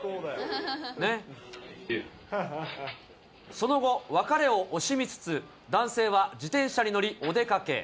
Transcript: その後、別れを惜しみつつ、男性は自転車に乗り、お出かけ。